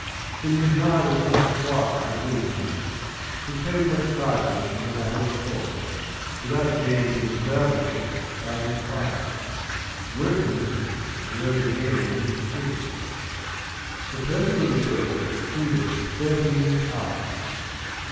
But he admired the sang froid of Wilkins's, which paid such trifles as a matter of course, without deigning to disturb a guest by an enquiry. Wilkins's rose again in his esteem. The total of the bill exceeded thirteen pounds.